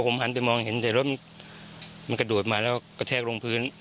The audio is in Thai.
ผมหันไปมองเห็นแต่รถมันกระโดดมาแล้วกระแทกลงพื้น